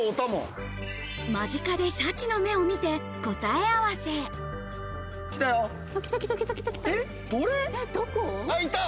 間近でシャチの目を見て答えあった！